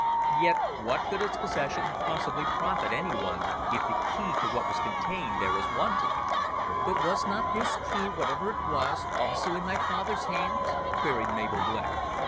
Yet what could its possession possibly profit any one if the key to what was contained there is wanting?" "But was not this key, whatever it was, also in my father's hands?" queried Mabel Blair.